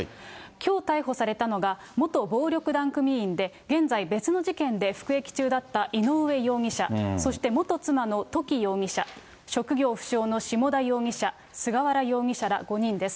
きょう逮捕されたのが、元暴力団組員で、現在、別の事件で服役中だった井上容疑者、そして元妻の土岐容疑者、職業不詳の下田容疑者、菅原容疑者ら５人です。